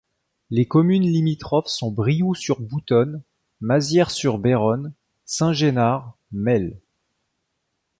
Les communes limitrophes sont Brioux-sur-Boutonne, Mazières-sur-Béronne, Saint-Génard, Melle.